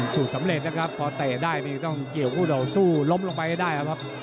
สูตรสำเร็จนะครับพอเตะได้นี่ต้องเกี่ยวคู่ต่อสู้ล้มลงไปให้ได้ครับ